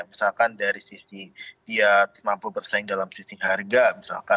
misalkan dari sisi dia mampu bersaing dalam sisi harga misalkan